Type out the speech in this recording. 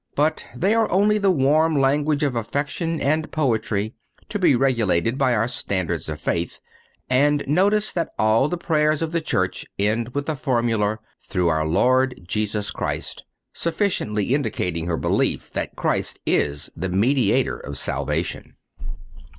But they are only the warm language of affection and poetry, to be regulated by our standard of faith; and notice that all the prayers of the Church end with the formula: "Through our Lord Jesus Christ," sufficiently indicating her belief that Christ is the Mediator of salvation.